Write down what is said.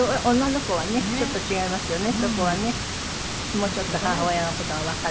もうちょっと母親の事がわかる。